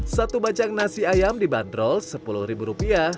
satu bacang nasi ayam dibanderol sepuluh rupiah